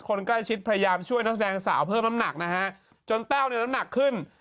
คนใกล้ชิดพยายามช่วยนักแสดงสาวเพิ่มน้ำหนักนะฮะจนแต้วเนี่ยน้ำหนักขึ้น